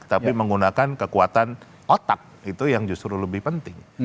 tapi menggunakan kekuatan otak itu yang justru lebih penting